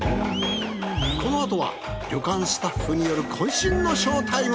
このあとは旅館スタッフによるこん身のショータイム。